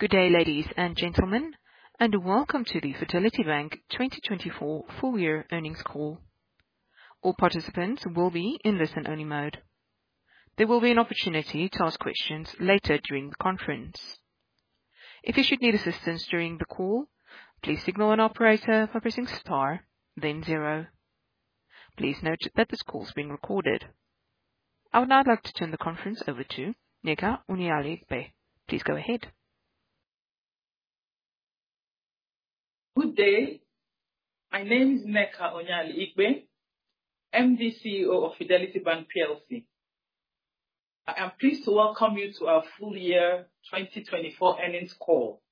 Good day, ladies and gentlemen, and welcome to the Fidelity Bank 2024 Full-Year Earnings Call. All participants will be in listen-only mode. There will be an opportunity to ask questions later during the conference. If you should need assistance during the call, please signal an operator by pressing star, then zero. Please note that this call is being recorded. I would now like to turn the conference over to Nneka Onyeali-Ikpe. Please go ahead. Good day. My name is Nneka Onyeali-Ikpe, MD/CEO of Fidelity Bank PLC. I am pleased to welcome you to our full-year 2024 earnings call.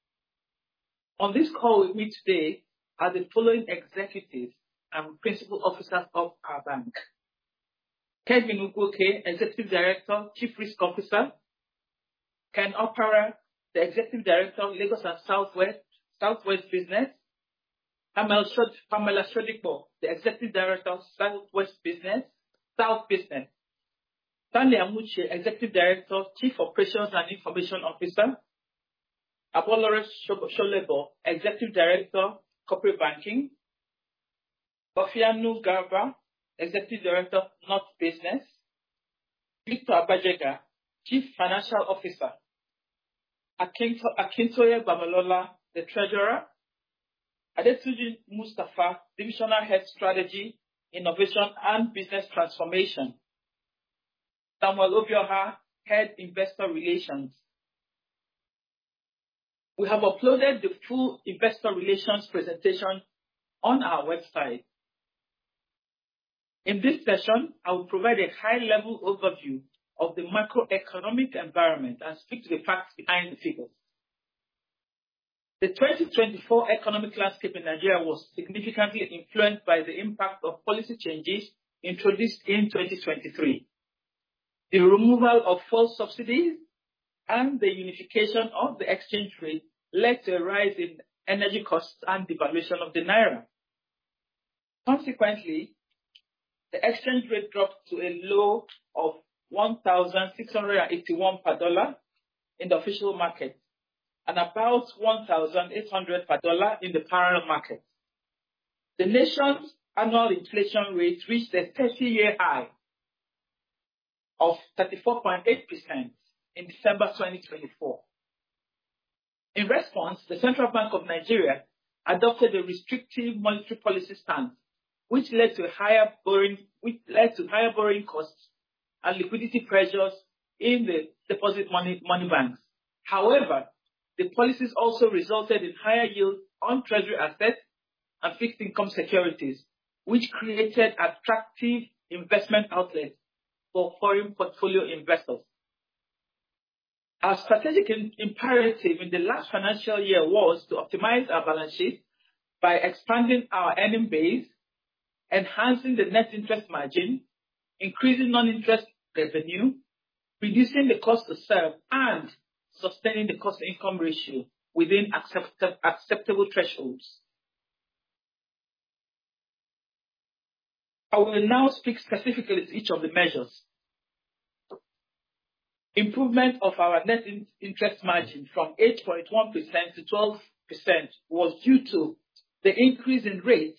On this call with me today are the following executives and principal officers of our bank: Kevin Ugwuoke, Executive Director, Chief Risk Officer; Ken Opara, the Executive Director, Lagos and Southwest Business; Pamela Shodipo, the Executive Director, Southwest Business, South Business; Stanley Amuchie, Executive Director, Chief Operations and Information Officer; Abolore Solebo, Executive Director, Corporate Banking; Sufiyanu Garba, Executive Director, North Business; Victor Abejegah, Chief Financial Officer; Akintoye Babalola, the Treasurer; Adetunji Mustafa, Divisional Head, Strategy, Innovation and Business Transformation; Samuel Obioha, Head Investor Relations. We have uploaded the full Investor Relations presentation on our website. In this session, I will provide a high-level overview of the macroeconomic environment and speak to the facts behind the figures. The 2024 economic landscape in Nigeria was significantly influenced by the impact of policy changes introduced in 2023. The removal of fuel subsidies and the unification of the exchange rate led to a rise in energy costs and devaluation of the naira. Consequently, the exchange rate dropped to a low of 1,681 per dollar in the official market and about 1,800 per dollar in the parallel markets. The nation's annual inflation rate reached a 30-year high of 34.8% in December 2024. In response, the Central Bank of Nigeria adopted a restrictive monetary policy stance, which led to higher borrowing costs and liquidity pressures in the deposit money banks. However, the policies also resulted in higher yields on treasury assets and fixed income securities, which created attractive investment outlets for foreign portfolio investors. Our strategic imperative in the last financial year was to optimize our balance sheet by expanding our earning base, enhancing the net interest margin, increasing non-interest revenue, reducing the cost to serve, and sustaining the cost-to-income ratio within acceptable thresholds. I will now speak specifically to each of the measures. Improvement of our net interest margin from 8.1% to 12% was due to the increase in rates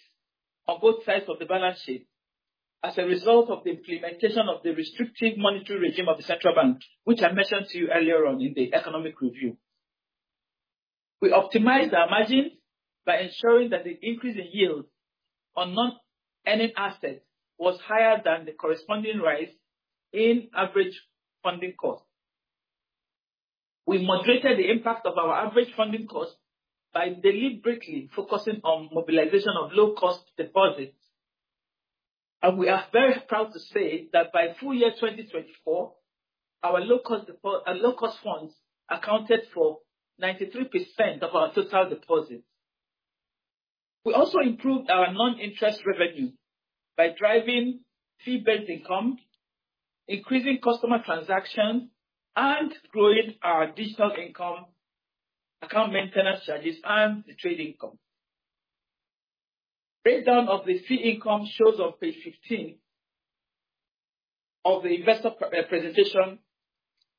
on both sides of the balance sheet as a result of the implementation of the restrictive monetary regime of the Central Bank of Nigeria, which I mentioned to you earlier on in the economic review. We optimized our margins by ensuring that the increase in yield on non-earning assets was higher than the corresponding rise in average funding cost. We moderated the impact of our average funding cost by deliberately focusing on mobilization of low-cost deposits. We are very proud to say that by full year 2024, our low-cost funds accounted for 93% of our total deposits. We also improved our non-interest revenue by driving fee-based income, increasing customer transactions, and growing our additional income account maintenance charges and the trade income. Breakdown of the fee income shows on page 15 of the investor presentation,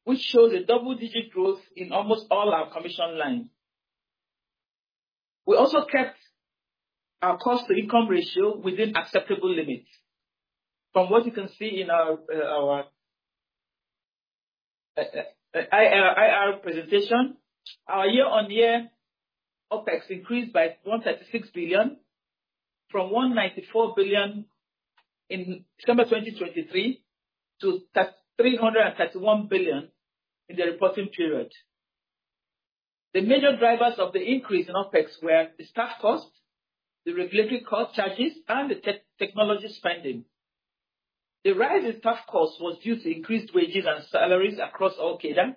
which shows a double-digit growth in almost all our commission lines. We also kept our cost-to-income ratio within acceptable limits. From what you can see in our IR presentation, our year-on-year OpEx increased by 136 billion, from 194 billion in December 2023 to 331 billion in the reporting period. The major drivers of the increase in OpEx were the staff cost, the regulatory cost charges, and the technology spending. The rise in staff cost was due to increased wages and salaries across all cadre.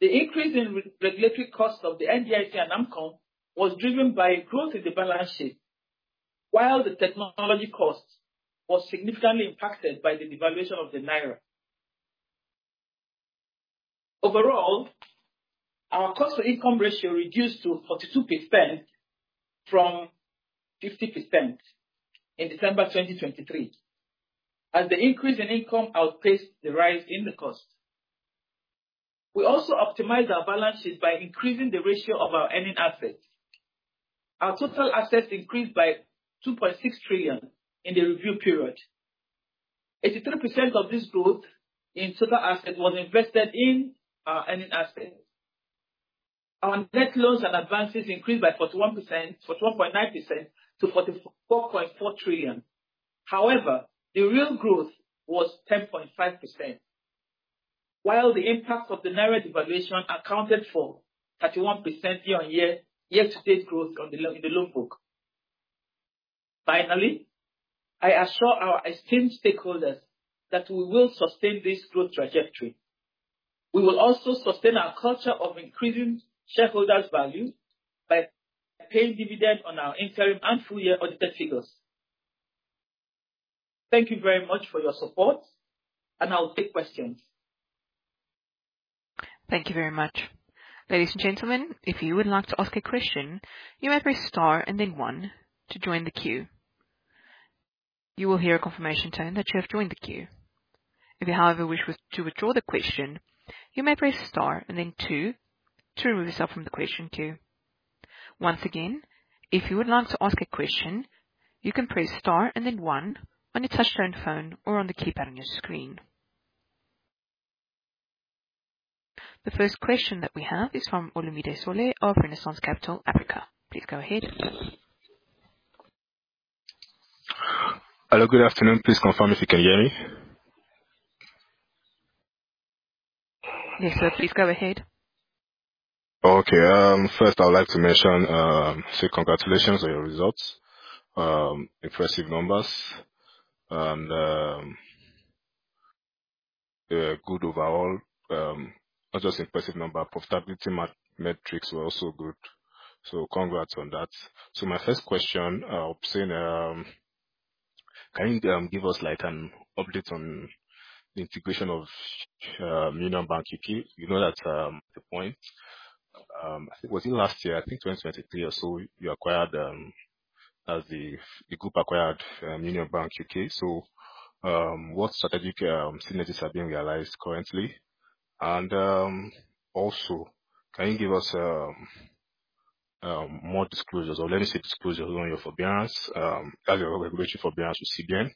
The increase in regulatory costs of the NDIC and AMCON was driven by growth in the balance sheet, while the technology cost was significantly impacted by the devaluation of the naira. Overall, our cost-to-income ratio reduced to 42% from 50% in December 2023, as the increase in income outpaced the rise in the cost. We also optimized our balance sheet by increasing the ratio of our earning assets. Our total assets increased by 2.6 trillion in the review period. 83% of this growth in total assets was invested in our earning assets. Our net loans and advances increased by 41%, 41.9% to 4.44 trillion. However, the real growth was 10.5%, while the impact of the naira devaluation accounted for 31% year-on-year year-to-date growth in the loan book. Finally, I assure our esteemed stakeholders that we will sustain this growth trajectory. We will also sustain our culture of increasing shareholders' value by paying dividend on our interim and full-year audited figures. Thank you very much for your support, and I will take questions. Thank you very much. Ladies and gentlemen, if you would like to ask a question, you may press star and then one to join the queue. You will hear a confirmation tone that you have joined the queue. If you, however, wish to withdraw the question, you may press star and then two to remove yourself from the question queue. Once again, if you would like to ask a question, you can press star and then one on your touch-tone phone or on the keypad on your screen. The first question that we have is from Olumide Sole of Renaissance Capital Africa. Please go ahead. Hello, good afternoon. Please confirm if you can hear me. Yes, sir, please go ahead. Okay. First, I would like to mention, say congratulations on your results. Impressive numbers and good overall. Not just impressive numbers, profitability metrics were also good. Congrats on that. My first question, I'm saying, can you give us an update on the integration of Union Bank UK? You know that. At the point, I think was it last year, I think 2023 or so, you acquired as the group acquired Union Bank UK. What strategic synergies are being realized currently? Also, can you give us more disclosures or let me say disclosures on your forbearance, earlier regulatory forbearance with CBN,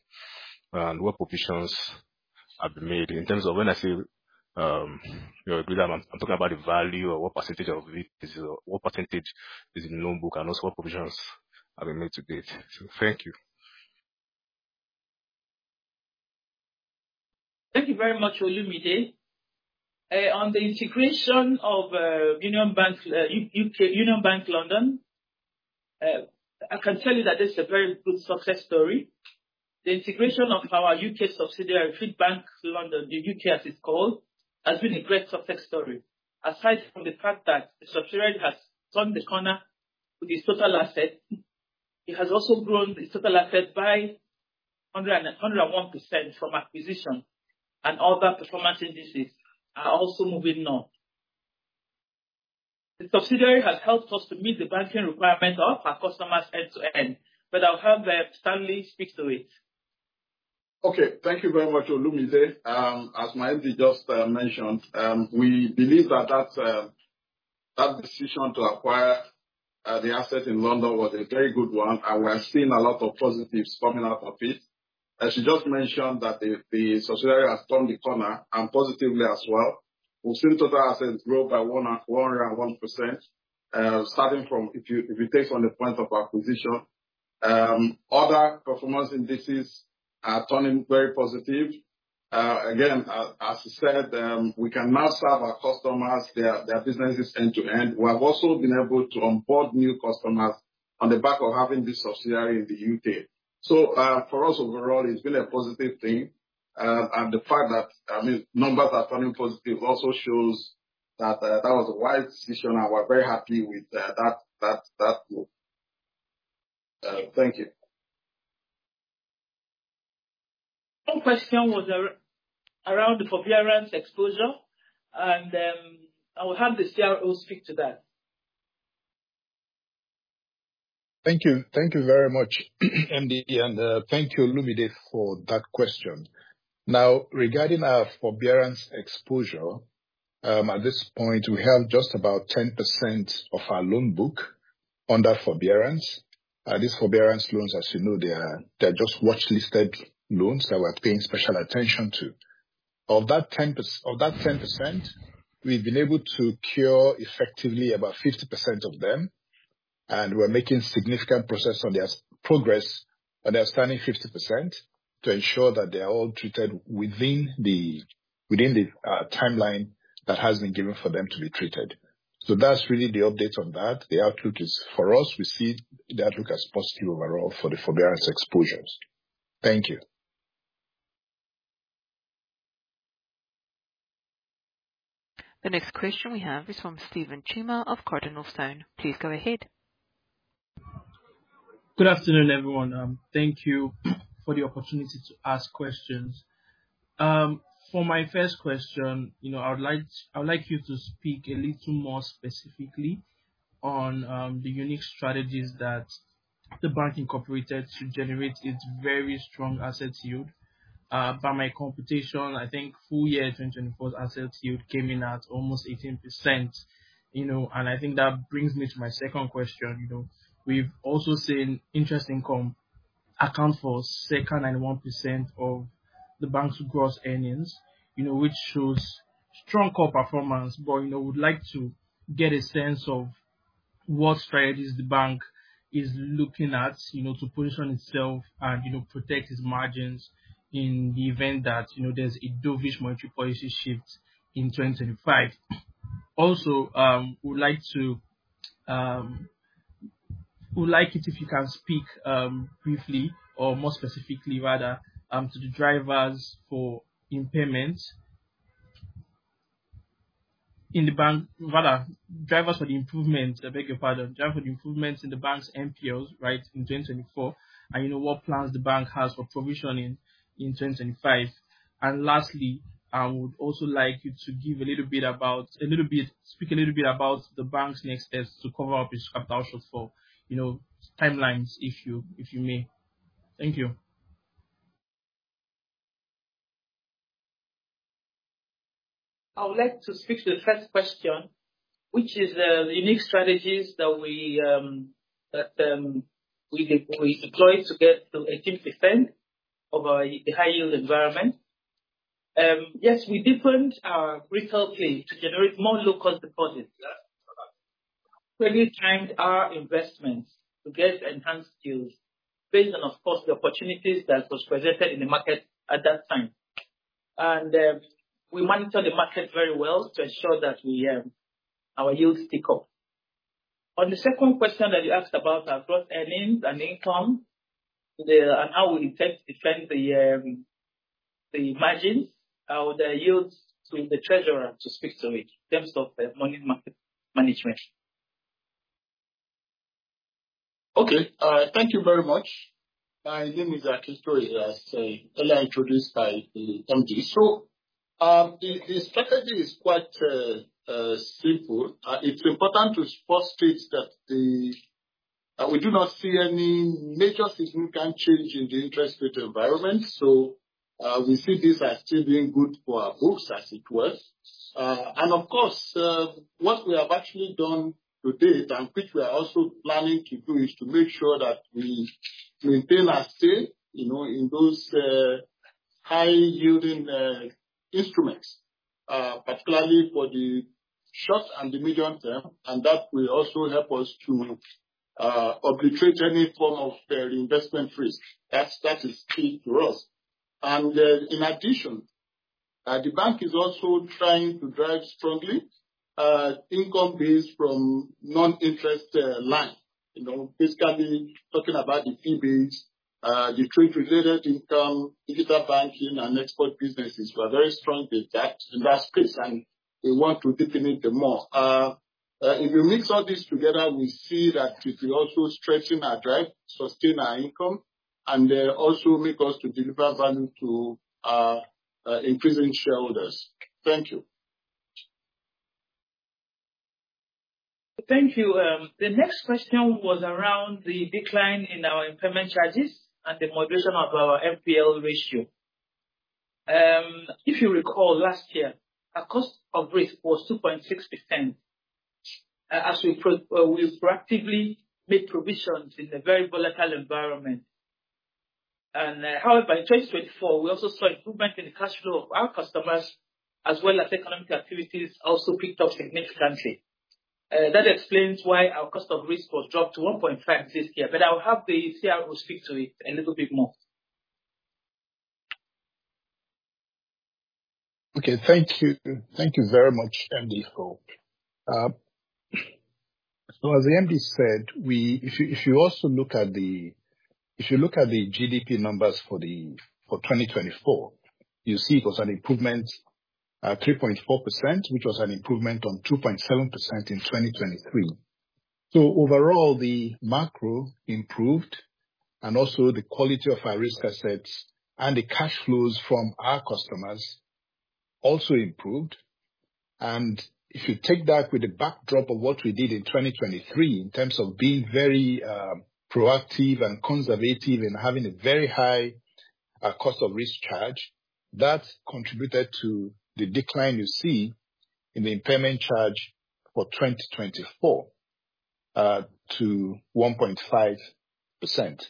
and what provisions have been made in terms of when I say your aggregate, I'm talking about the value or what percentage of it is, what percentage is in the loan book, and also what provisions have been made to date. Thank you. Thank you very much, Olumide. On the integration of Union Bank London, I can tell you that it's a very good success story. The integration of our U.K. subsidiary, Fidelity Bank London, the U.K., as it's called, has been a great success story. Aside from the fact that the subsidiary has turned the corner with its total assets, it has also grown its total assets by 101% from acquisition, and other performance indices are also moving north. The subsidiary has helped us to meet the banking requirements of our customers end-to-end, but I'll have Stanley speak to it. Okay, thank you very much, Olumide. As MD just mentioned, we believe that that decision to acquire the asset in London was a very good one. We are seeing a lot of positives coming out of it. As you just mentioned, that the subsidiary has turned the corner positively as well. We've seen total assets grow by 101%, starting from if you take from the point of acquisition. Other performance indices are turning very positive. Again, as you said, we can now serve our customers, their businesses end-to-end. We have also been able to onboard new customers on the back of having this subsidiary in the U.K. For us overall, it's been a positive thing. The fact that, I mean, numbers are turning positive also shows that that was a wise decision, and we're very happy with that move. Thank you. One question was around the forbearance exposure, and I will have the CRO speak to that. Thank you. Thank you very much, MD, and thank you, Olumide, for that question. Now, regarding our forbearance exposure, at this point, we have just about 10% of our loan book under forbearance. These forbearance loans, as you know, they are just watchlisted loans that we're paying special attention to. Of that 10%, we've been able to cure effectively about 50% of them, and we're making significant progress on the remaining 50% to ensure that they are all treated within the timeline that has been given for them to be treated. That is really the update on that. The outlook is for us, we see the outlook as positive overall for the forbearance exposures. Thank you. The next question we have is from Stephen Chima of Cardinalstone. Please go ahead. Good afternoon, everyone. Thank you for the opportunity to ask questions. For my first question, I would like you to speak a little more specifically on the unique strategies that the bank incorporated to generate its very strong asset yield. By my computation, I think full year 2024's asset yield came in at almost 18%. I think that brings me to my second question. We've also seen interest income account for 2.1% of the bank's gross earnings, which shows strong core performance, but we'd like to get a sense of what strategies the bank is looking at to position itself and protect its margins in the event that there's a dovish monetary policy shift in 2025. Also, we'd like it if you can speak briefly, or more specifically rather, to the drivers for improvement in the bank, rather, drivers for the improvement, I beg your pardon, drivers for the improvement in the bank's NPLs right in 2024, and what plans the bank has for provisioning in 2025. Lastly, I would also like you to give a little bit about, a little bit, speak a little bit about the bank's next steps to cover up its capital shortfall timelines, if you may. Thank you. I would like to speak to the first question, which is the unique strategies that we deployed to get to 18% of a high-yield environment. Yes, we deepened our retail play to generate more low-cost deposits. We really timed our investments to get enhanced yields based on, of course, the opportunities that were presented in the market at that time. We monitor the market very well to ensure that our yields stick up. On the second question that you asked about our gross earnings and income and how we intend to defend the margins, I would yield to the treasurer to speak to it in terms of money market management. Okay, thank you very much. My name is Akintoye, as ea introduced by the MD. The strategy is quite simple. It is important to first state that we do not see any major significant change in the interest rate environment. We see these are still being good for our books, as it were. Of course, what we have actually done to date, and which we are also planning to do, is to make sure that we maintain our stay in those high-yielding instruments, particularly for the short and the medium term, and that will also help us to obliterate any form of reinvestment risk. That is key for us. In addition, the bank is also trying to drive strongly income-based from non-interest line. Basically, talking about the fee-based, the trade-related income, digital banking, and export businesses, we are very strong in that space, and we want to deepen it more. If you mix all these together, we see that it will also strengthen our drive, sustain our income, and also make us deliver value to increasing shareholders. Thank you. Thank you. The next question was around the decline in our impairment charges and the moderation of our NPL ratio. If you recall, last year, our cost of risk was 2.6% as we proactively made provisions in a very volatile environment. However, in 2024, we also saw improvement in the cash flow of our customers, as well as economic activities also picked up significantly. That explains why our cost of risk dropped to 1.5% this year, but I will have the CRO speak to it a little bit more. Okay, thank you. Thank you very much, MD. As the MD said, if you also look at the GDP numbers for 2024, you see it was an improvement at 3.4%, which was an improvement on 2.7% in 2023. Overall, the macro improved, and also the quality of our risk assets and the cash flows from our customers also improved. If you take that with the backdrop of what we did in 2023, in terms of being very proactive and conservative and having a very high cost of risk charge, that contributed to the decline you see in the impairment charge for 2024 to 1.5%.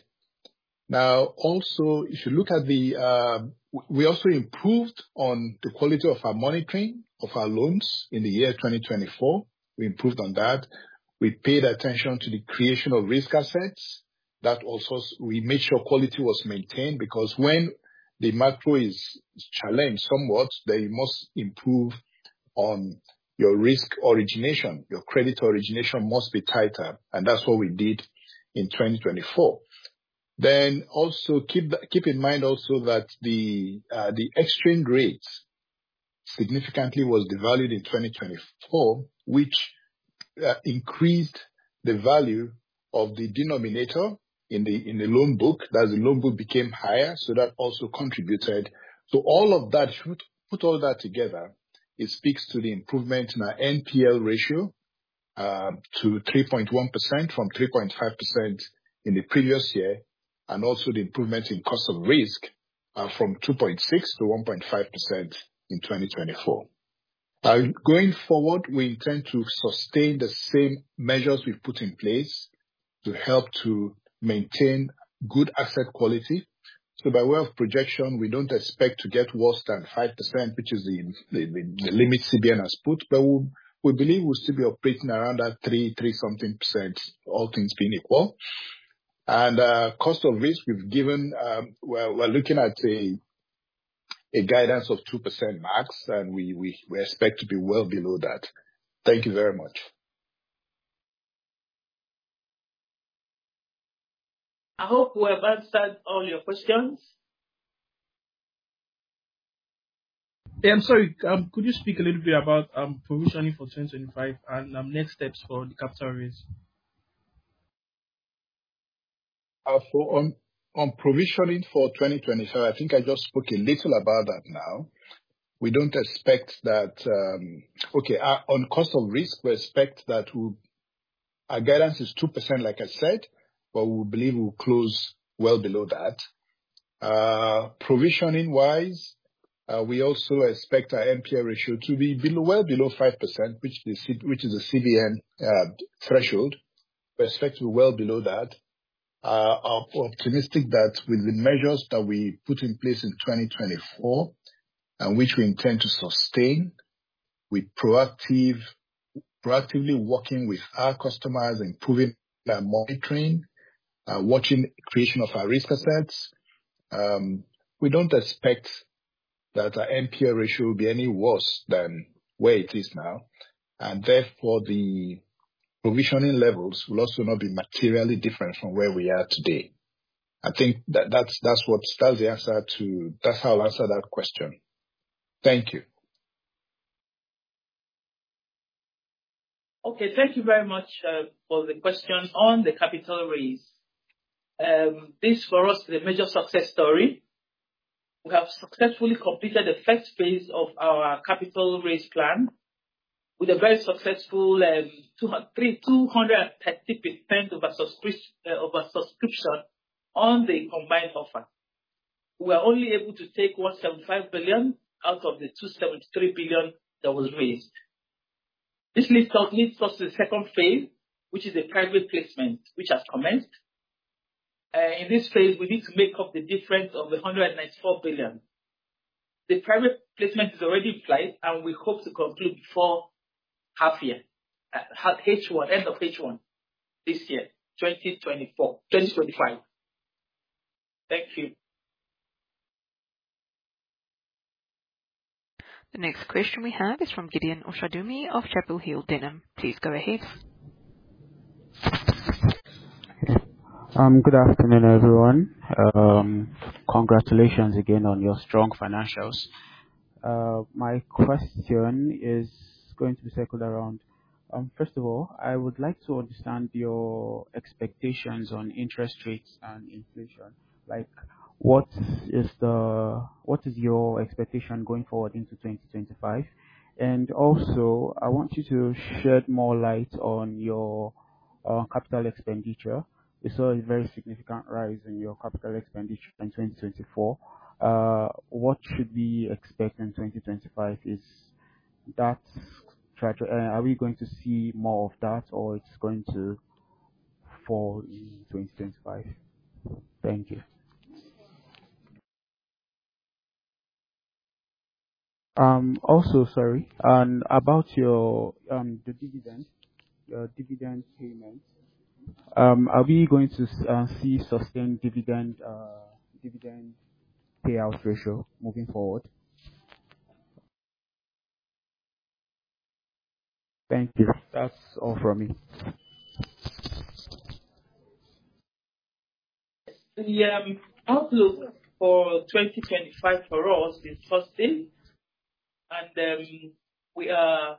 Also, if you look at the, we also improved on the quality of our monitoring of our loans in the year 2024. We improved on that. We paid attention to the creation of risk assets. That also, we made sure quality was maintained because when the macro is challenged somewhat, they must improve on your risk origination. Your credit origination must be tighter, and that's what we did in 2024. Also keep in mind that the exchange rate significantly was devalued in 2024, which increased the value of the denominator in the loan book. That is, the loan book became higher, so that also contributed. If you put all that together, it speaks to the improvement in our NPL ratio to 3.1% from 3.5% in the previous year, and also the improvement in cost of risk from 2.6% to 1.5% in 2024. Going forward, we intend to sustain the same measures we've put in place to help to maintain good asset quality. By way of projection, we do not expect to get worse than 5%, which is the limit CBN has put, but we believe we will still be operating around that 3, 3-something percent, all things being equal. Cost of risk, we have given we are looking at a guidance of 2% max, and we expect to be well below that. Thank you very much. I hope we've answered all your questions. Hey, I'm sorry. Could you speak a little bit about provisioning for 2025 and next steps for the capital raise? On provisioning for 2025, I think I just spoke a little about that now. We don't expect that okay, on cost of risk, we expect that our guidance is 2%, like I said, but we believe we'll close well below that. Provisioning-wise, we also expect our NPL ratio to be well below 5%, which is a CBN threshold. We expect to be well below that. I'm optimistic that with the measures that we put in place in 2024, which we intend to sustain with proactively working with our customers, improving our monitoring, watching creation of our risk assets, we don't expect that our NPL ratio will be any worse than where it is now. Therefore, the provisioning levels will also not be materially different from where we are today. I think that's how I'll answer that question. Thank you. Okay, thank you very much for the question on the capital raise. This for us is a major success story. We have successfully completed the first phase of our capital raise plan with a very successful 230% of our subscription on the combined offer. We were only able to take 175 billion out of the 273 billion that was raised. This leads us to the second phase, which is the private placement, which has commenced. In this phase, we need to make up the difference of 194 billion. The private placement is already in place, and we hope to conclude before half year, end of H1 this year, 2024, 2025. Thank you. The next question we have is from Gideon Oshadumi of Chapel Hill Denham. Please go ahead. Good afternoon, everyone. Congratulations again on your strong financials. My question is going to be circled around. First of all, I would like to understand your expectations on interest rates and inflation. What is your expectation going forward into 2025? I also want you to shed more light on your capital expenditure. We saw a very significant rise in your capital expenditure in 2024. What should we expect in 2025? Are we going to see more of that, or is it going to fall in 2025? Thank you. Also, sorry, about the dividend payment, are we going to see sustained dividend payout ratio moving forward? Thank you. That is all from me. The outlook for 2025 for us is positive, and we are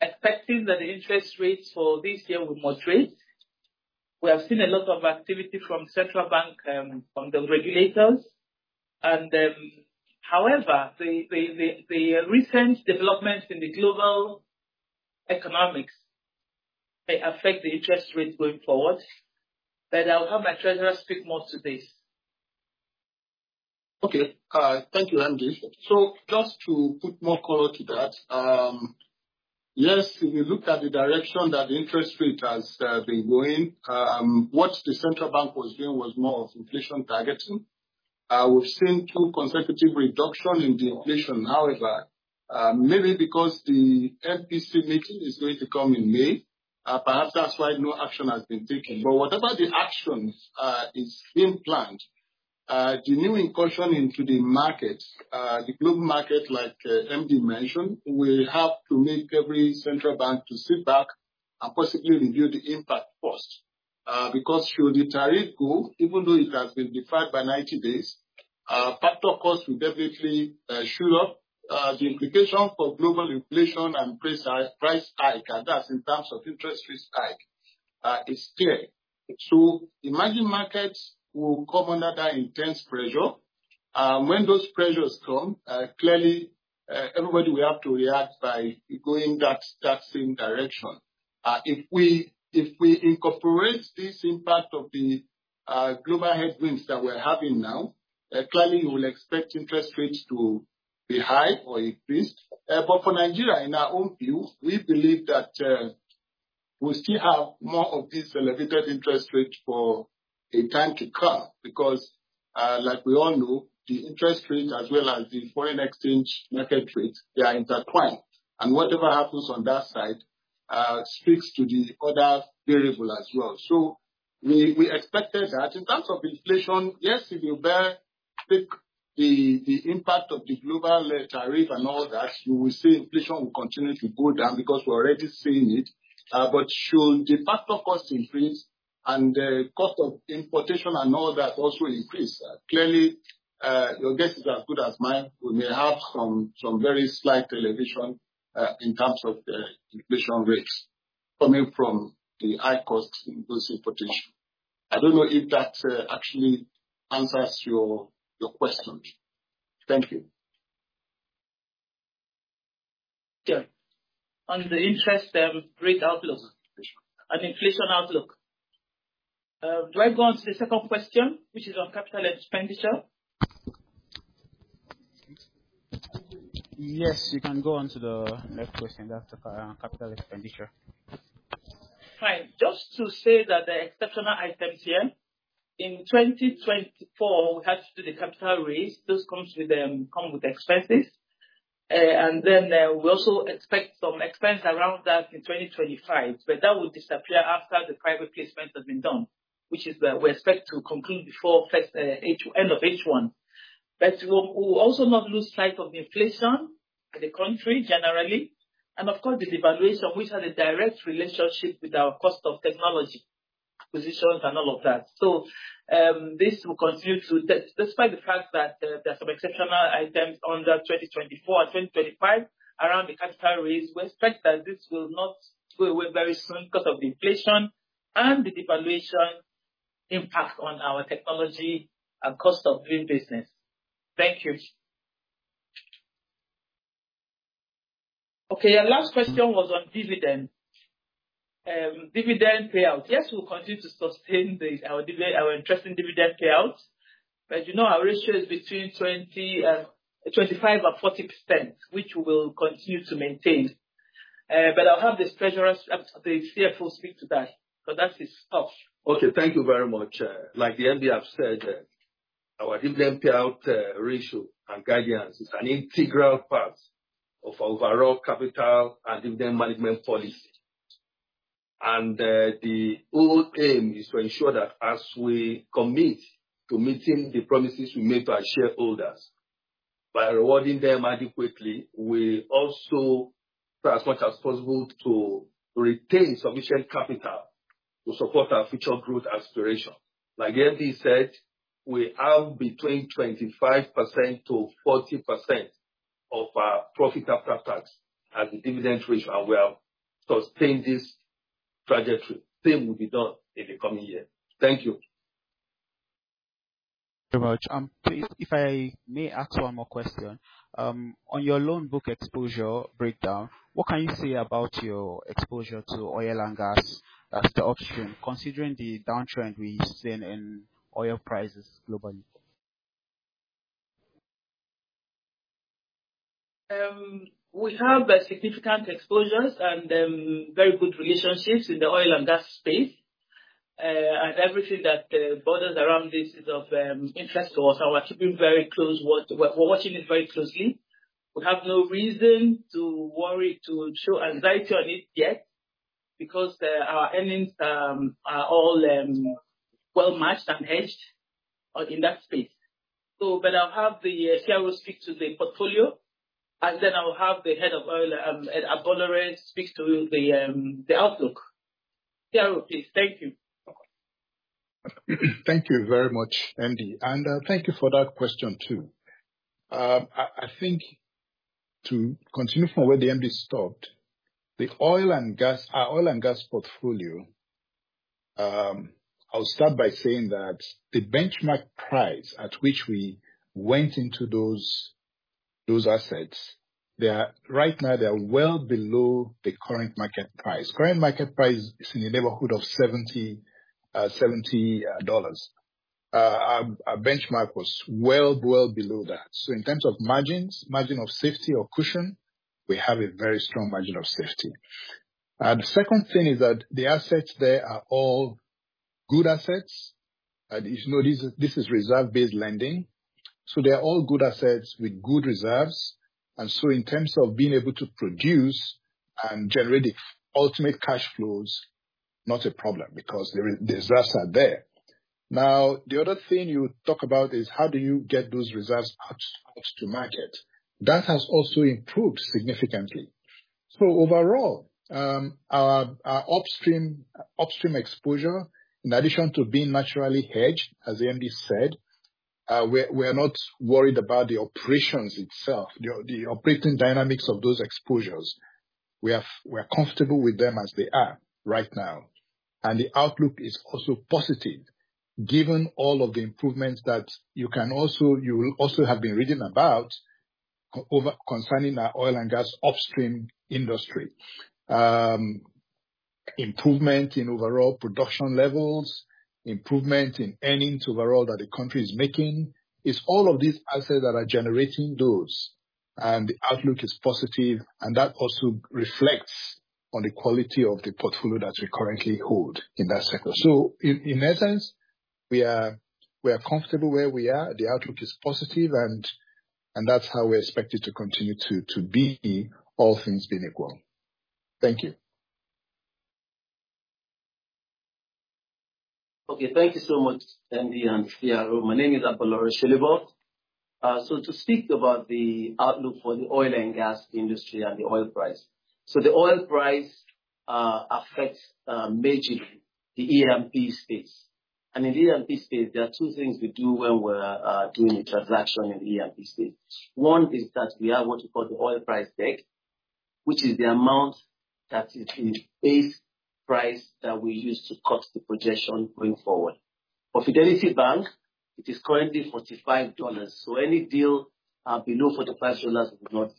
expecting that the interest rates for this year will moderate. We have seen a lot of activity from the Central Bank of Nigeria, from the regulators. However, the recent developments in the global economics may affect the interest rate going forward, but I'll have my Treasurer speak more to this. Okay, thank you, MD. Just to put more color to that, yes, if you look at the direction that the interest rate has been going, what the Central Bank was doing was more of inflation targeting. We've seen two consecutive reductions in the inflation. However, maybe because the MPC meeting is going to come in May, perhaps that's why no action has been taken. Whatever the action is being planned, the new incursion into the market, the global market, like MD mentioned, we have to make every central bank sit back and possibly review the impact first. Should the tariff go, even though it has been deferred by 90 days, factor costs will definitely shoot up. The implication for global inflation and price hike, and that's in terms of interest rate hike, is clear. Emerging markets will come under that intense pressure. When those pressures come, clearly, everybody will have to react by going in that same direction. If we incorporate this impact of the global headwinds that we're having now, clearly, we will expect interest rates to be high or increased. For Nigeria, in our own view, we believe that we'll still have more of these elevated interest rates for a time to come because, like we all know, the interest rate, as well as the foreign exchange market rate, they are intertwined. Whatever happens on that side speaks to the other variable as well. We expected that in terms of inflation, yes, if you bear to pick the impact of the global tariff and all that, you will see inflation will continue to go down because we're already seeing it. Should the factor costs increase and the cost of importation and all that also increase, clearly, your guess is as good as mine. We may have some very slight elevation in terms of the inflation rates coming from the high costs in those importations. I do not know if that actually answers your question. Thank you. Okay. On the interest rate outlook and inflation outlook, do I go on to the second question, which is on capital expenditure? Yes, you can go on to the next question, capital expenditure. Fine. Just to say that the exceptional items here, in 2024, we had to do the capital raise. Those come with expenses. We also expect some expense around that in 2025, but that will disappear after the private placement has been done, which is where we expect to conclude before the end of H1. We will also not lose sight of the inflation in the country generally. Of course, the devaluation, which has a direct relationship with our cost of technology, acquisitions, and all of that. This will continue to, despite the fact that there are some exceptional items under 2024 and 2025 around the capital raise, we expect that this will not go away very soon because of the inflation and the devaluation impact on our technology and cost of doing business. Thank you. Okay, our last question was on dividend payout. Yes, we'll continue to sustain our interest in dividend payout. You know our ratio is between 25% and 40%, which we will continue to maintain. I'll have the CFO speak to that because that is tough. Okay, thank you very much. Like the MD have said, our dividend payout ratio and guidance is an integral part of our overall capital and dividend management policy. The whole aim is to ensure that as we commit to meeting the promises we make to our shareholders by rewarding them adequately, we also try as much as possible to retain sufficient capital to support our future growth aspiration. Like MD said, we have between 25%-40% of our profit after tax as a dividend ratio, and we have sustained this trajectory. Same will be done in the coming year. Thank you. Very much. Please, if I may ask one more question. On your loan book exposure breakdown, what can you say about your exposure to oil and gas as the option, considering the downtrend we've seen in oil prices globally? We have significant exposures and very good relationships in the oil and gas space. Everything that borders around this is of interest to us. We are keeping very close; we are watching it very closely. We have no reason to worry, to show anxiety on it yet, because our earnings are all well matched and hedged in that space. I will have the CRO speak to the portfolio, and then I will have the head of oil at Abolore speak to the outlook. CRO, please. Thank you. Thank you very much, MD. Thank you for that question too. I think to continue from where the MD stopped, the oil and gas portfolio, I'll start by saying that the benchmark price at which we went into those assets, right now, they are well below the current market price. Current market price is in the neighborhood of $70. Our benchmark was well, well below that. In terms of margins, margin of safety or cushion, we have a very strong margin of safety. The second thing is that the assets there are all good assets. This is reserve-based lending. They are all good assets with good reserves. In terms of being able to produce and generate the ultimate cash flows, not a problem because the reserves are there. The other thing you talk about is how do you get those reserves out to market? That has also improved significantly. Overall, our upstream exposure, in addition to being naturally hedged, as the MD said, we are not worried about the operations itself, the operating dynamics of those exposures. We are comfortable with them as they are right now. The outlook is also positive, given all of the improvements that you will also have been reading about concerning our oil and gas upstream industry. Improvement in overall production levels, improvement in earnings overall that the country is making. It is all of these assets that are generating those. The outlook is positive. That also reflects on the quality of the portfolio that we currently hold in that sector. In essence, we are comfortable where we are. The outlook is positive. That is how we are expected to continue to be, all things being equal. Thank you. Okay, thank you so much, MD and CRO. My name is Abolore Solebo. To speak about the outlook for the oil and gas industry and the oil price. The oil price affects majorly the E&P space. In the E&P space, there are two things we do when we're doing a transaction in the E&P space. One is that we have what we call the oil price deck, which is the amount that is the base price that we use to cut the projection going forward. For Fidelity Bank, it is currently $45. Any deal below $45 will not.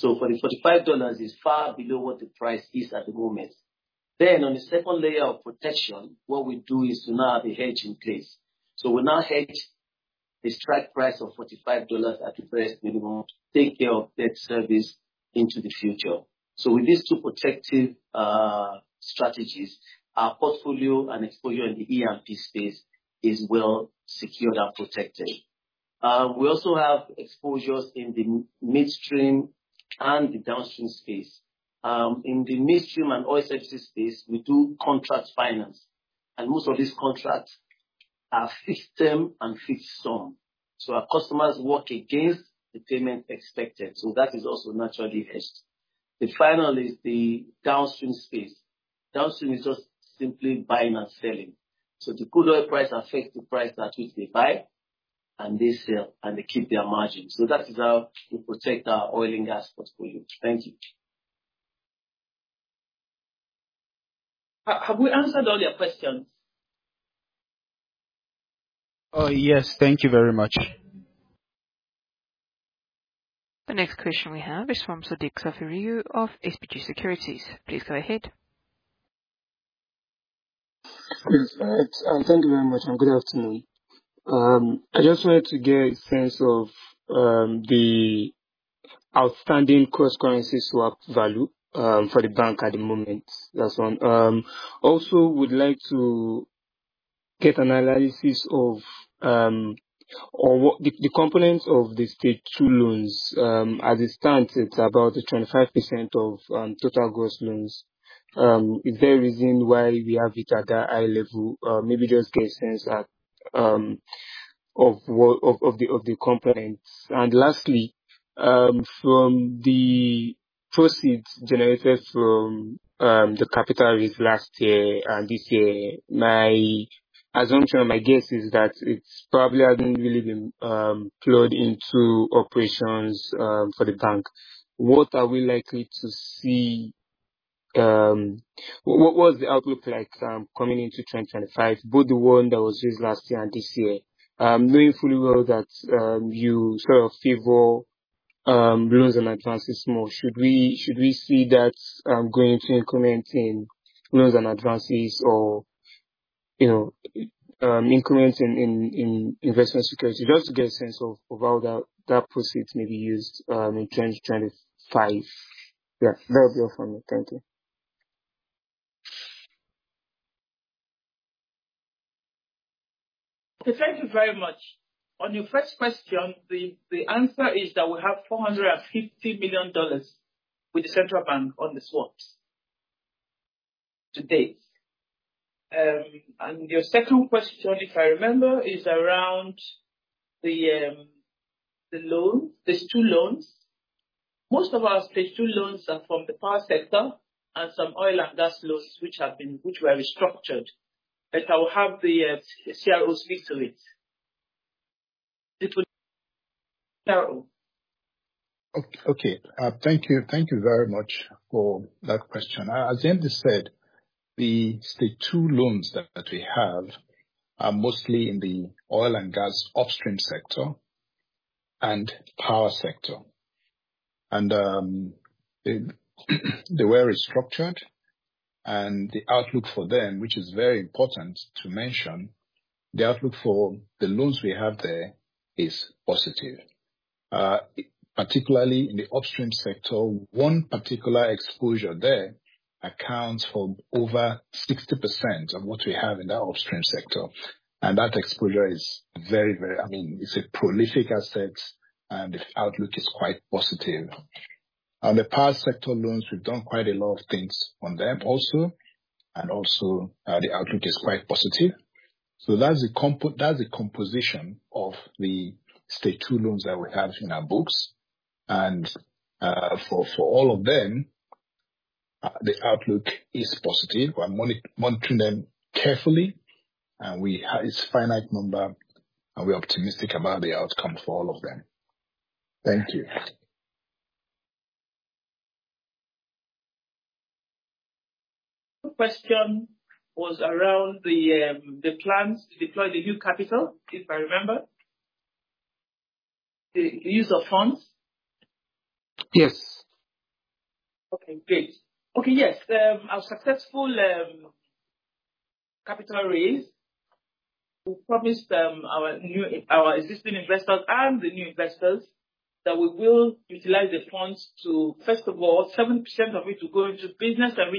For the $45, it's far below what the price is at the moment. On the second layer of protection, what we do is to now have a hedge in place. We now hedge the strike price of $45 at the first minimum to take care of debt service into the future. With these two protective strategies, our portfolio and exposure in the E&P space is well secured and protected. We also have exposures in the midstream and the downstream space. In the midstream and oil services space, we do contract finance. Most of these contracts are fixed term and fixed term. Our customers work against the payment expected. That is also naturally hedged. The final is the downstream space. Downstream is just simply buying and selling. The good oil price affects the price at which they buy and they sell and they keep their margin. That is how we protect our oil and gas portfolio. Thank you. Have we answered all your questions? Oh, yes. Thank you very much. The next question we have is from Sadiq Sefiu of SBG Securities. Please go ahead. Thank you very much and good afternoon. I just wanted to get a sense of the outstanding cross-currency swap value for the bank at the moment. That's one. Also, we'd like to get analysis of the components of the stage two loans. As it stands, it's about 25% of total gross loans. Is there a reason why we have it at that high level? Maybe just get a sense of the components. Lastly, from the proceeds generated from the capital raise last year and this year, my assumption or my guess is that it probably hasn't really been plugged into operations for the bank. What are we likely to see? What was the outlook like coming into 2025, both the one that was used last year and this year? Knowing fully well that you sort of favor loans and advances more, should we see that going into increment in loans and advances or increment in investment security? Just to get a sense of how that proceeds may be used in 2025. Yeah, that would be all from me. Thank you. Thank you very much. On your first question, the answer is that we have $450 million with the Central Bank of Nigeria on the swaps to date. Your second question, if I remember, is around the loans, the stage two loans. Most of our stage two loans are from the power sector and some oil and gas loans which were restructured. I will have the CRO speak to it. Okay. Thank you. Thank you very much for that question. As MD said, the stage two loans that we have are mostly in the oil and gas upstream sector and power sector. They were restructured. The outlook for them, which is very important to mention, the outlook for the loans we have there is positive. Particularly in the upstream sector, one particular exposure there accounts for over 60% of what we have in that upstream sector. That exposure is very, very—I mean, it's a prolific asset, and the outlook is quite positive. On the power sector loans, we've done quite a lot of things on them also. The outlook is quite positive. That's the composition of the stage two loans that we have in our books. For all of them, the outlook is positive. We're monitoring them carefully, and it's a finite number, and we're optimistic about the outcome for all of them. Thank you. Question was around the plans to deploy the new capital, if I remember. The use of funds. Yes. Okay, great. Okay, yes. Our successful capital raise, we promised our existing investors and the new investors that we will utilize the funds to, first of all, 7% of it to go into business and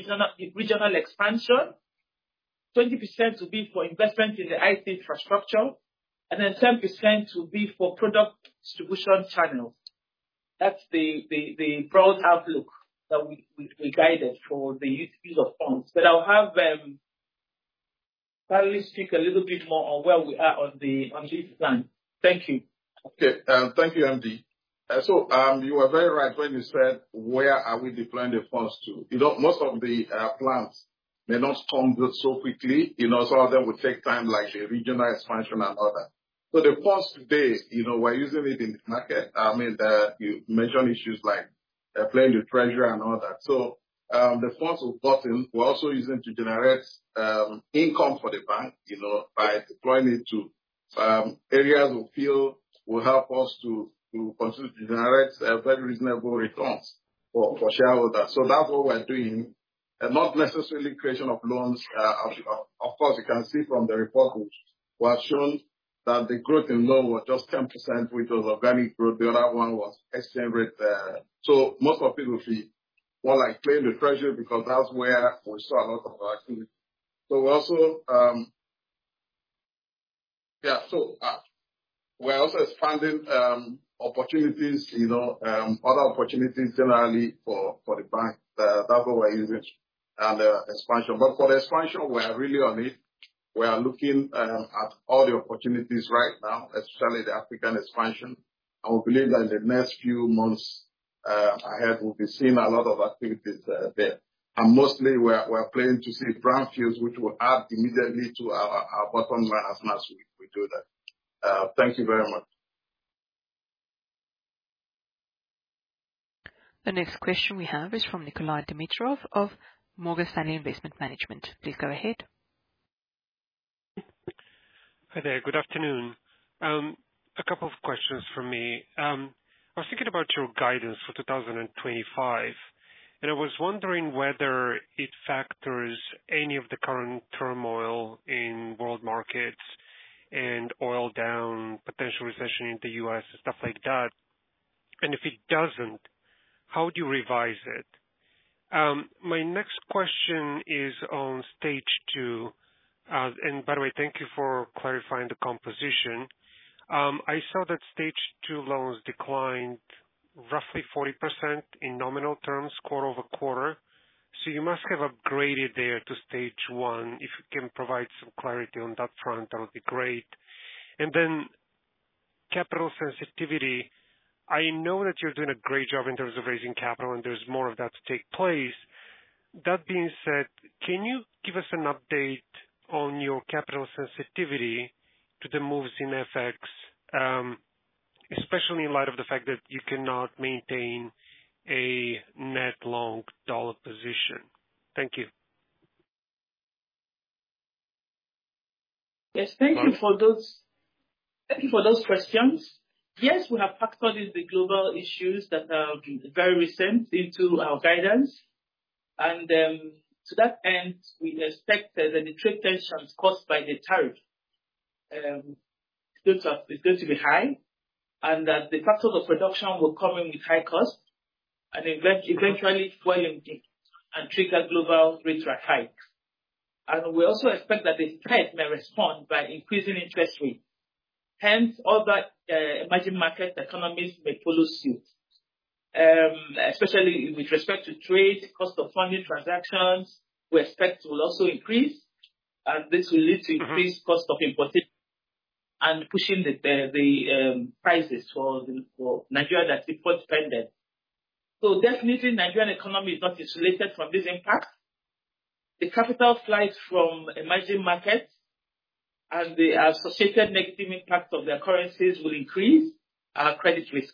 regional expansion, 20% to be for investment in the IT infrastructure, and then 10% to be for product distribution channels. That's the broad outlook that we guided for the use of funds. I will have Madhu speak a little bit more on where we are on this plan. Thank you. Okay. Thank you, MD. You were very right when you said, "Where are we deploying the funds to?" Most of the plans may not come so quickly. Some of them will take time, like regional expansion and others. The funds today, we're using it in the market. I mean, you mentioned issues like playing the treasury and others. The funds we've gotten we're also using to generate income for the bank by deploying it to areas we feel will help us to continue to generate very reasonable returns for shareholders. That's what we're doing. Not necessarily creation of loans. Of course, you can see from the report which was shown that the growth in loan was just 10% with those organic growth. The other one was exchange rate. Most of it will be more like playing the treasury because that's where we saw a lot of our activity. We're also expanding opportunities, other opportunities generally for the bank. That's what we're using and expansion. For the expansion, we are really on it. We are looking at all the opportunities right now, especially the African expansion. We believe that in the next few months ahead, we'll be seeing a lot of activities there. Mostly, we're planning to see brownfields, which will add immediately to our bottom line as soon as we do that. Thank you very much. The next question we have is from Nikolai Dimitrov of Morgan Stanley Investment Management. Please go ahead. Hi there. Good afternoon. A couple of questions for me. I was thinking about your guidance for 2025. I was wondering whether it factors any of the current turmoil in world markets and oil down, potential recession in the U.S., and stuff like that. If it doesn't, how do you revise it? My next question is on stage two. By the way, thank you for clarifying the composition. I saw that stage two loans declined roughly 40% in nominal terms, quarter over quarter. You must have upgraded there to stage one. If you can provide some clarity on that front, that would be great. Then capital sensitivity. I know that you're doing a great job in terms of raising capital, and there's more of that to take place. That being said, can you give us an update on your capital sensitivity to the moves in FX, especially in light of the fact that you cannot maintain a net long dollar position? Thank you. Yes, thank you for those questions. Yes, we have factored in the global issues that are very recent into our guidance. To that end, we expect that the trade tensions caused by the tariff is going to be high and that the factors of production will come in with high cost and eventually dwell in and trigger global rate hikes. We also expect that the Fed may respond by increasing interest rates. Hence, other emerging market economies may follow suit, especially with respect to trade, cost of funding transactions, we expect will also increase. This will lead to increased cost of importation and pushing the prices for Nigeria that's import-dependent. Definitely, Nigerian economy is not insulated from this impact. The capital flight from emerging markets and the associated negative impact of their currencies will increase our credit risk.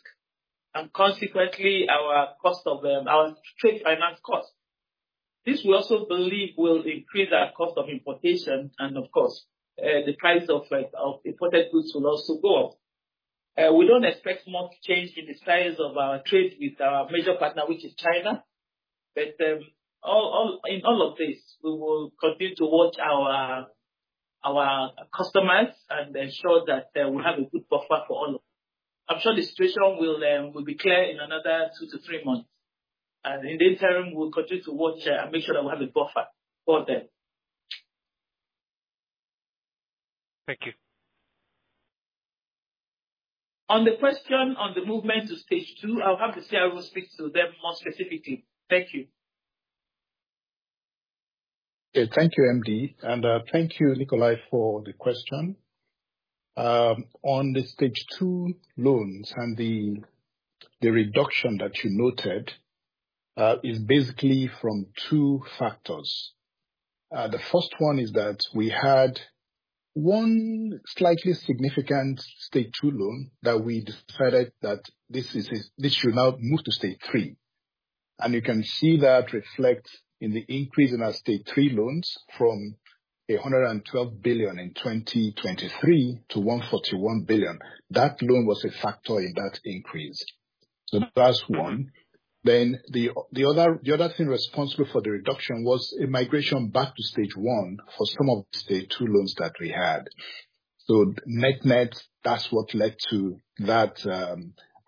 Consequently, our trade finance cost. This we also believe will increase our cost of importation. Of course, the price of imported goods will also go up. We do not expect much change in the size of our trade with our major partner, which is China. In all of this, we will continue to watch our customers and ensure that we have a good buffer for all of them. I am sure the situation will be clear in another two to three months. In the interim, we will continue to watch and make sure that we have a buffer for them. Thank you. On the question on the movement to stage two, I'll have the CRO speak to them more specifically. Thank you. Okay. Thank you, MD. Thank you, Nikolai, for the question. On the stage two loans and the reduction that you noted is basically from two factors. The first one is that we had one slightly significant stage two loan that we decided that this should now move to stage three. You can see that reflects in the increase in our stage three loans from 112 billion in 2023 to 141 billion. That loan was a factor in that increase. That's one. The other thing responsible for the reduction was a migration back to stage one for some of the stage two loans that we had. Net-net, that's what led to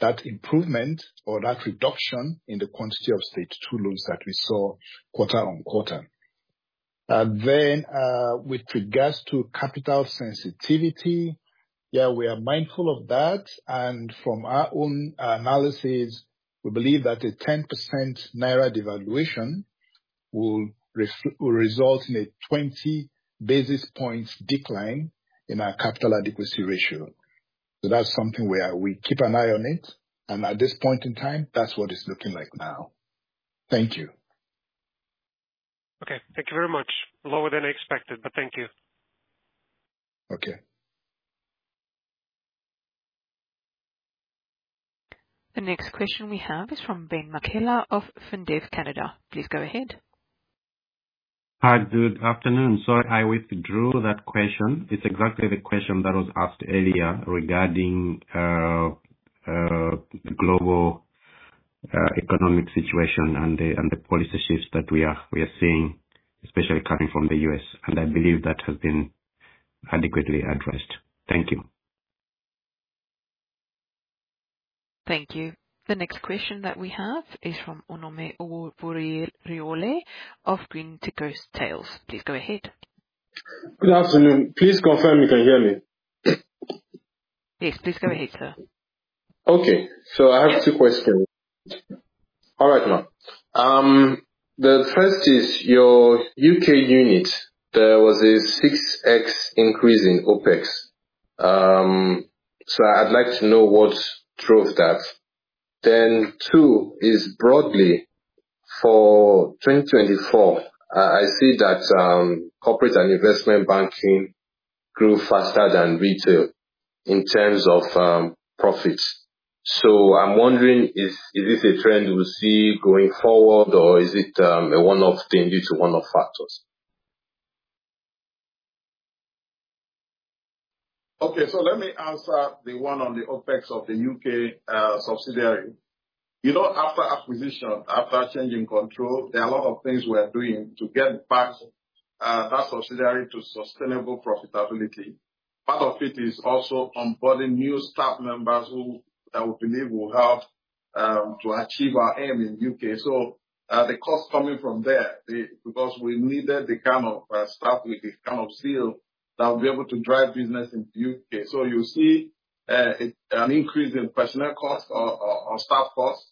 that improvement or that reduction in the quantity of stage two loans that we saw quarter on quarter. With regards to capital sensitivity, yeah, we are mindful of that. From our own analysis, we believe that a 10% Naira devaluation will result in a 20 basis points decline in our capital adequacy ratio. That is something where we keep an eye on it. At this point in time, that is what it is looking like now. Thank you. Okay. Thank you very much. Lower than I expected, but thank you. Okay. The next question we have is from Ben Makela of Fundwave Canada. Please go ahead. Hi, good afternoon. I withdrew that question. It's exactly the question that was asked earlier regarding the global economic situation and the policy shifts that we are seeing, especially coming from the U.S.. I believe that has been adequately addressed. Thank you. Thank you. The next question that we have is from Onome Oruwari of Greenwich Merchant Bank. Please go ahead. Good afternoon. Please confirm you can hear me. Yes, please go ahead, sir. Okay. I have two questions. All right, ma'am. The first is your U.K. unit, there was a 6x increase in OpEx. I would like to know what drove that. Two is broadly for 2024. I see that corporate and investment banking grew faster than retail in terms of profits. I am wondering, is this a trend we will see going forward, or is it a one-off thing due to one-off factors? Okay. Let me answer the one on the OpEx of the U.K. subsidiary. After acquisition, after changing control, there are a lot of things we're doing to get back that subsidiary to sustainable profitability. Part of it is also onboarding new staff members who I believe will help to achieve our aim in the U.K. The cost is coming from there, because we needed the kind of staff with the kind of skill that will be able to drive business in the U.K. You will see an increase in personnel costs or staff costs.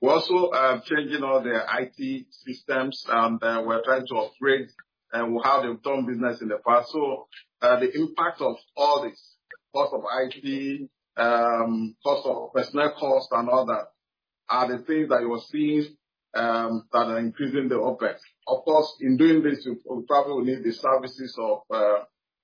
We're also changing all the IT systems, and we're trying to upgrade how they've done business in the past. The impact of all this, cost of IT, cost of personnel costs, and others, are the things that you will see that are increasing the OpEx. Of course, in doing this, we probably will need the services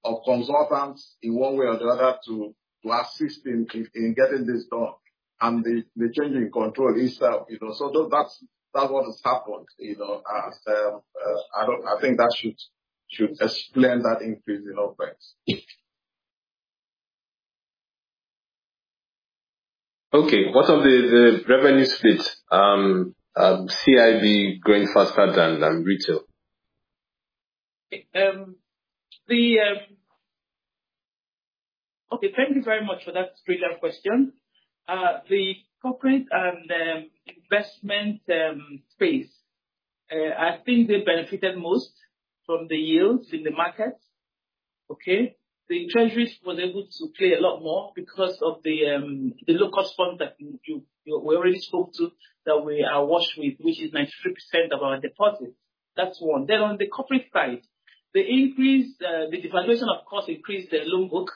of consultants in one way or the other to assist in getting this done and the changing control itself. That is what has happened. I think that should explain that increase in OpEx. Okay. What of the revenue split? CIB going faster than retail? Okay. Thank you very much for that brilliant question. The corporate and investment space, I think they benefited most from the yields in the markets. The treasuries were able to play a lot more because of the low-cost funds that we already spoke to that we are washed with, which is 93% of our deposits. That's one. On the corporate side, the increase, the devaluation, of course, increased the loan book,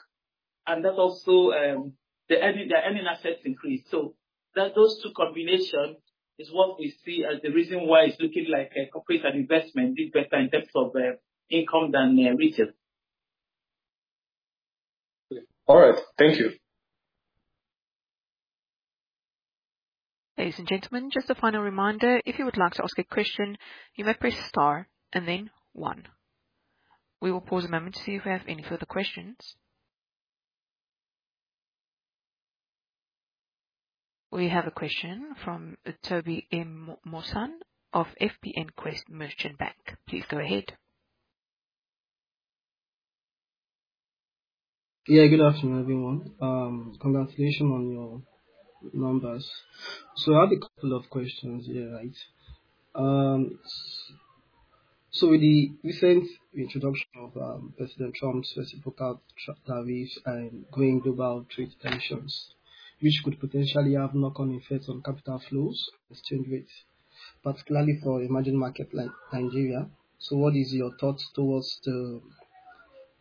and that's also the earning assets increased. Those two combinations is what we see as the reason why it's looking like corporate and investment did better in terms of income than retail. All right. Thank you. Ladies and gentlemen, just a final reminder, if you would like to ask a question, you may press star and then one. We will pause a moment to see if we have any further questions. We have a question from Tobi Ehinmosan of FBNQuest Merchant Bank. Please go ahead. Yeah, good afternoon, everyone. Congratulations on your numbers. I have a couple of questions, right? With the recent introduction of President Trump's reciprocal tariffs and growing global trade tensions, which could potentially have knock-on effects on capital flows and exchange rates, particularly for emerging markets like Nigeria, what is your thoughts towards the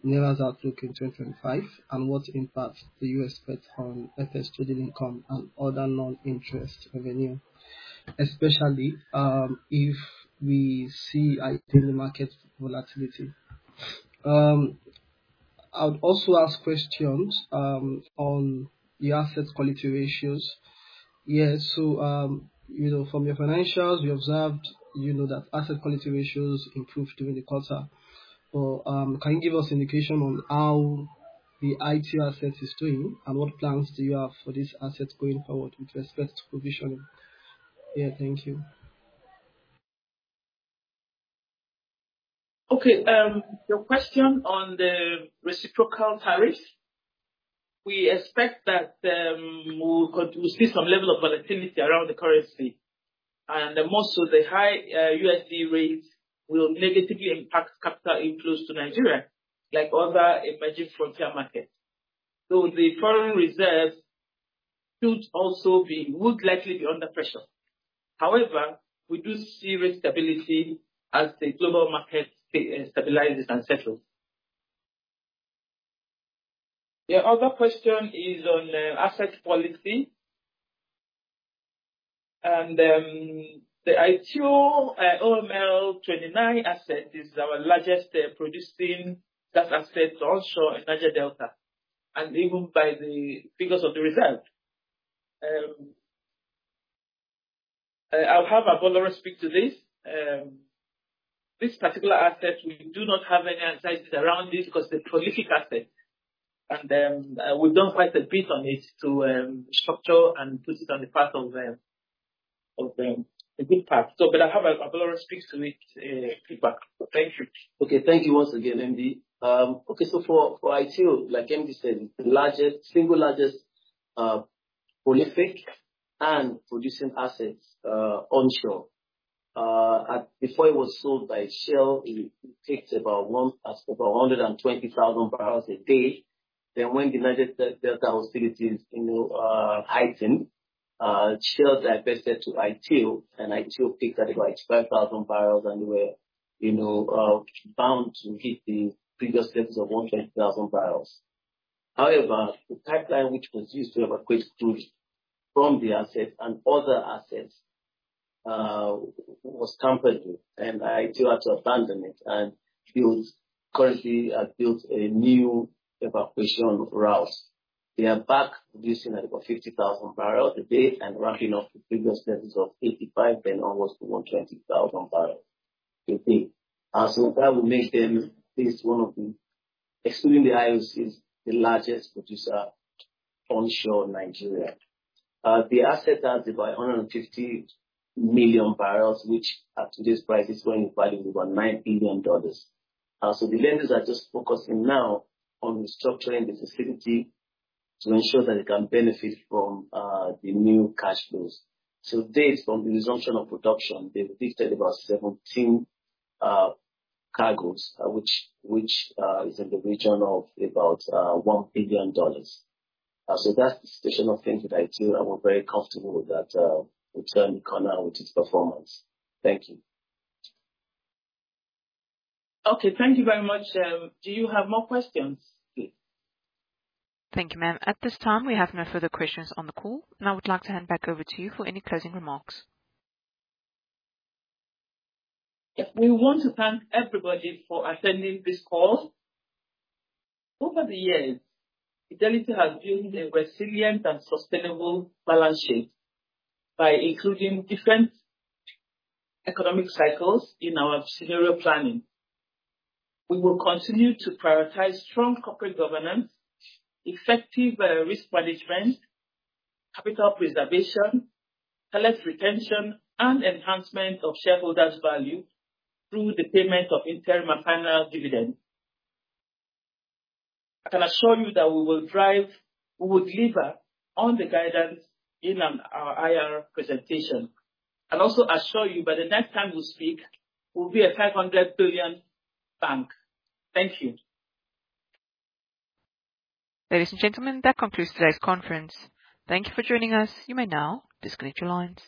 Naira's outlook in 2025, and what impacts the U.S. Fed on FX trading income and other non-interest revenue, especially if we see it in the market volatility? I would also ask questions on the asset quality ratios. From your financials, we observed that asset quality ratios improved during the quarter. Can you give us an indication on how the Aiteo asset is doing, and what plans do you have for this asset going forward with respect to provisioning? Thank you. Okay. Your question on the reciprocal tariffs, we expect that we'll see some level of volatility around the currency. More so, the high USD rates will negatively impact capital inflows to Nigeria, like other emerging frontier markets. The foreign reserves would likely be under pressure. However, we do see rate stability as the global market stabilizes and settles. Yeah. Other question is on asset policy. The Aiteo OML 29 asset is our largest producing such asset onshore in Niger Delta, and even by the figures of the reserve. I'll have Abolore speak to this. This particular asset, we do not have any analysis around this because it's a prolific asset. We've done quite a bit on it to structure and put it on the path of a good path. I'll have Abolore speak to it. Feedback. Thank you. Okay. Thank you once again, MD. Okay. For Aiteo, like MD said, the single largest prolific and producing assets onshore. Before it was sold by Shell, it picked about 120,000 barrels a day. When the Niger Delta hostilities heightened, Shell divested to Aiteo, and Aiteo picked at about 12,000 barrels and were bound to hit the previous levels of 120,000 barrels. However, the pipeline which was used to evacuate goods from the asset and other assets was tampered with, and Aiteo had to abandon it and currently have built a new evacuation route. They are back producing at about 50,000 barrels a day and ramping up the previous levels of 85, then almost 120,000 barrels a day. That will make them one of the, excluding the IOCs, the largest producer onshore Nigeria. The asset has about 150 million barrels, which at today's price is going to value about $9 billion. The lenders are just focusing now on restructuring the facility to ensure that it can benefit from the new cash flows. To date, from the resumption of production, they've lifted about 17 cargoes, which is in the region of about $1 billion. That is the situation of things with Aiteo. I'm very comfortable that we'll turn the corner with its performance. Thank you. Okay. Thank you very much. Do you have more questions? Thank you, ma'am. At this time, we have no further questions on the call. I would like to hand back over to you for any closing remarks. We want to thank everybody for attending this call. Over the years, Fidelity has built a resilient and sustainable balance sheet by including different economic cycles in our scenario planning. We will continue to prioritize strong corporate governance, effective risk management, capital preservation, talent retention, and enhancement of shareholders' value through the payment of interim and final dividends. I can assure you that we will deliver on the guidance in our IR presentation. I'll also assure you by the next time we speak, we'll be a 500 billion bank. Thank you. Ladies and gentlemen, that concludes today's conference. Thank you for joining us. You may now disconnect your lines.